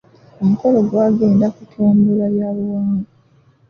Omukolo gwagendde kutumbula byabuwangwa.